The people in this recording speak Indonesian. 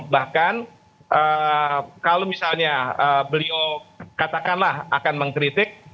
bahkan kalau misalnya beliau katakanlah akan mengkritik